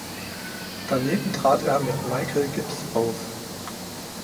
Daneben trat er mit Michael Gibbs auf.